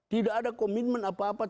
tidak ada komitmen apa apa